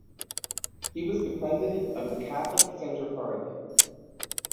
He was the president of the Catholic Centre Party.